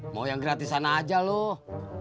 mau yang gratis sana aja loh